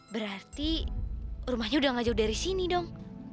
berarti rumahnya udah gak jauh dari sini dong